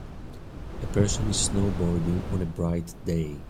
A person is snowboarding on a bright day.